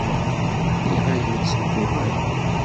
Nniɣ-ak ur ttedduɣ ara.